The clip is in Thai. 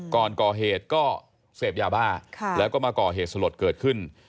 ก่อนก่อเหตุก็เสพยาบ้าแล้วก็มาก่อเหตุสลดเกิดขึ้น